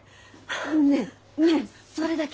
ねえねえそれだけ？